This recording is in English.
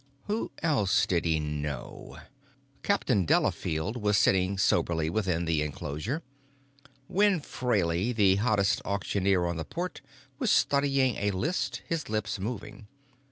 Who else did he know? Captain Delafield was sitting somberly within the enclosure; Win Fraley, the hottest auctioneer on the Port, was studying a list, his lips moving.